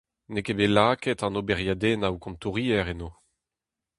N'eo ket bet lakaet an oberiadennoù kontouriezh enno.